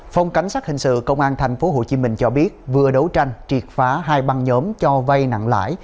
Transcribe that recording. phòng cảnh sát hình sự công an tp hcm cho biết vừa đấu tranh triệt phá hai băng nhóm cho vay nặng lãi